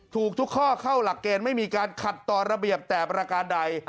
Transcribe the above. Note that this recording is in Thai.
ถูกทุกข้อเข้าหลักเกณฑ์ไม่มีการขัดต่อระเบียบแต่ประการใด